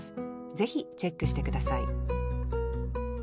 ぜひチェックして下さい